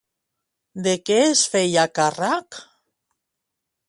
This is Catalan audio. De què es feia càrrec?